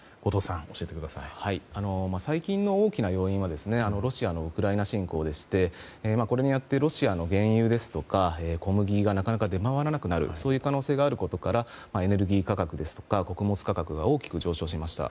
最近の大きな要因はロシアのウクライナ侵攻でしてこれによってロシアの原油ですとか小麦がなかなか出回らなくなる可能性があることからエネルギー価格ですとか穀物価格が大きく上昇しました。